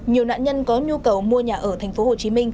nhiều nạn nhân có nhu cầu mua nhà ở tp hcm